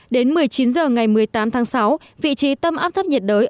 đến một mươi chín h ngày một mươi tám tháng sáu vị trí tâm áp thấp nhiệt đới